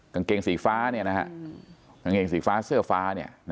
กางเกงสีฟ้าเนี่ยนะฮะกางเกงสีฟ้าเสื้อฟ้าเนี่ยนะฮะ